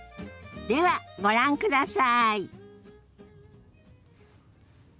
ではご覧ください。